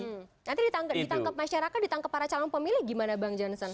hmm nanti ditangkap masyarakat ditangkap para calon pemilih gimana bang johnson